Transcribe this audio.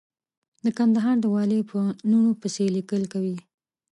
د کندهار د والي په لوڼو پسې ليکل کوي.